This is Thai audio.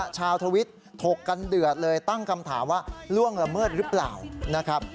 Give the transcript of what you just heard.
ทวิตถกกันเดือดเลยตั้งคำถามว่าล่วงละเมิดหรือเปล่านะครับ